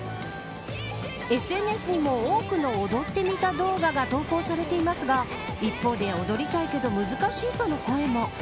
ＳＮＳにも多くの踊ってみた動画が投稿されていますが一方で踊りたいけど難しいとの声も。